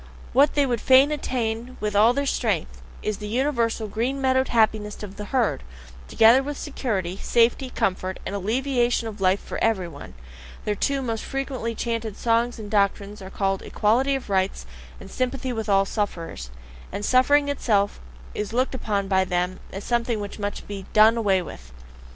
What they would fain attain with all their strength, is the universal, green meadow happiness of the herd, together with security, safety, comfort, and alleviation of life for every one, their two most frequently chanted songs and doctrines are called "Equality of Rights" and "Sympathy with All Sufferers" and suffering itself is looked upon by them as something which must be DONE AWAY WITH.